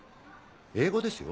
英語ですよ。